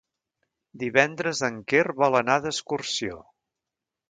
Divendres en Quer vol anar d'excursió.